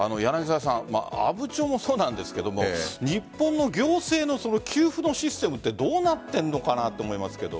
阿武町もそうなんですが日本の行政の給付のシステムってどうなっているのかなと思いますけど。